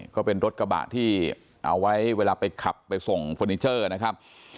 ก็เป็นรถกระบะที่เอาไว้เวลาไปขับไปส่งเฟอร์นิเจอร์นะครับ